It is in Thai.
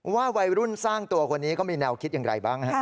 วัยรุ่นสร้างตัวคนนี้เขามีแนวคิดอย่างไรบ้าง